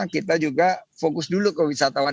kita juga fokus dulu kewisatawan